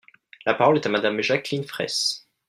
La parole est à Madame Jacqueline Fraysse.